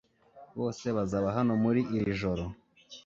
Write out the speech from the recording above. bose bazaba hano muri iri joro